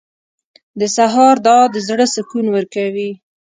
• د سهار دعا د زړه سکون ورکوي.